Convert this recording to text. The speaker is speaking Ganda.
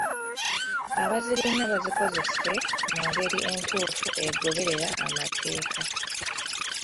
Abazirina bazikozese mu ngeri entuufu egoberera amateeka.